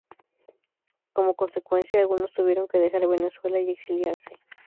Como consecuencia, algunos tuvieron que dejar Venezuela y exiliarse.